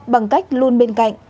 bằng cách luôn bên cạnh